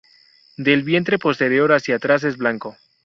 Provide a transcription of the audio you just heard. Del vientre posterior hacia atrás es blanco.